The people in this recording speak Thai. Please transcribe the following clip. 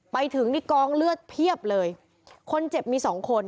ไปถึงนี่กองเลือดเพียบเลยคนเจ็บมีสองคน